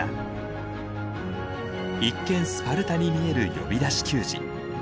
一見スパルタに見える呼び出し給餌。